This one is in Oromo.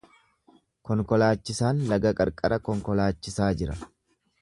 Konkolaachisaan laga qarqara konkolaachisaa jira.